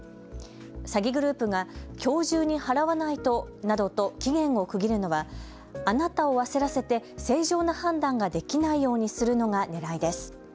詐欺グループがきょう中に払わないとなどと期限を区切るのはあなたを焦らせて正常な判断ができないようにするのがねらいです。